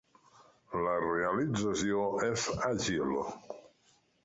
La realització és àgil.